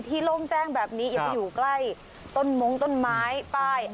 ก็ต้องระวังด้วยต้องระวัง